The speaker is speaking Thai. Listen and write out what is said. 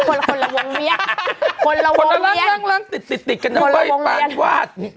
คนละลังลังลังติดกันนะเปย์ปานวาด